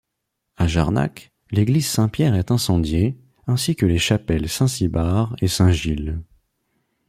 À Jarnac, l'église Saint-Pierre est incendiée, ainsi que les chapelles Saint-Cybard et Saint-Gilles.